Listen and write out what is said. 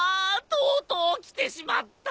とうとう来てしまった！